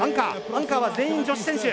アンカーは全員女子選手。